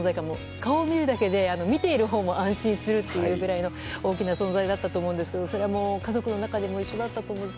顔を見るだけで見ているほうも安心するというぐらいの大きな存在だったと思うんですけど家族の中でも一緒だったと思います。